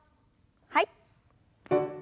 はい。